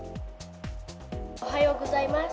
おはようございます。